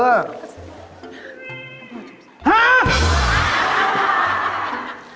ฮะ